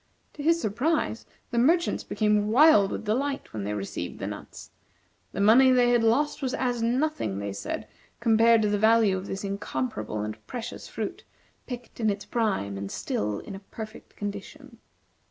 To his surprise the merchants became wild with delight when they received the nuts. The money they had lost was as nothing, they said, compared to the value of this incomparable and precious fruit, picked in its prime, and still in a perfect condition.